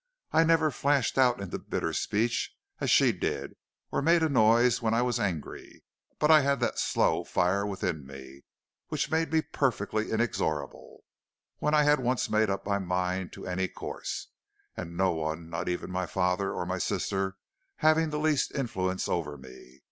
I never flashed out into bitter speech as she did, or made a noise when I was angry, but I had that slow fire within me which made me perfectly inexorable when I had once made up my mind to any course no one, not even my father or my sister, having the least influence over me.